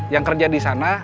yang kerja disana